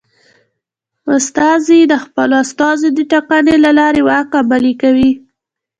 استازي د خپلو استازو د ټاکنې له لارې واک عملي کوي.